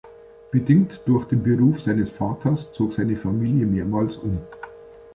Bedingt durch den Beruf seines Vaters zog seine Familie mehrmals um.